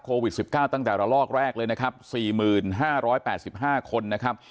โควิด๑๙ตั้งแต่ละลอกแรกเลยนะครับ๔๕๘๕คนนะครับ